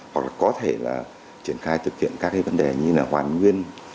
hoặc là có thể là triển khai thực hiện các cái vấn đề như là hoàn nguyên